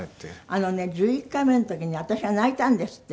あのね１１回目の時に私が泣いたんですって。